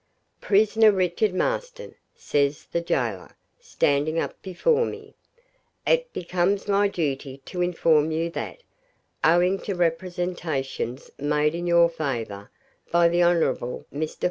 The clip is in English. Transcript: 'Prisoner Richard Marston,' says the gaoler, standing up before me, 'it becomes my duty to inform you that, owing to representations made in your favour by the Hon. Mr.